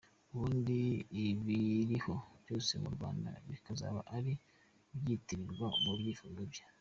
Ubundi ibiriho byose mu Rwanda bikazaba ariwe byitirirwa, mu byifuzo bye.